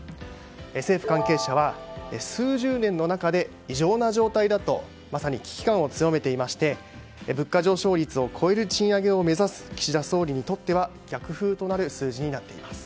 政府関係者は数十年の中で異常な状態だとまさに危機感を強めていまして物価上昇率を超える賃上げを目指す岸田総理にとっては逆風となる数字となっています。